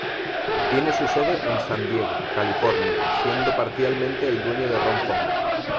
Tiene su sede en San Diego, California siendo parcialmente el dueño Ron Fowler.